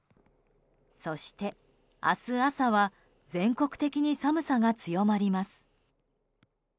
そして、明日朝は全国的に寒さが強まります。